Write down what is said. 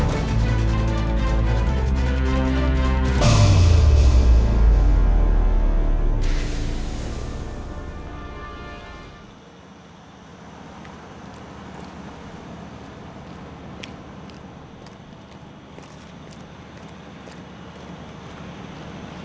kita ber aggress menguntungi masyarakat yang ikut sialan